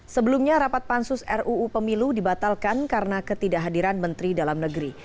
sebelumnya rapat pansus ruu pemilu dibatalkan karena ketidakhadiran menteri dalam negeri